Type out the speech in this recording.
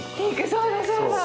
そうだそうだ。